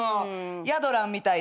ヤドランみたいで。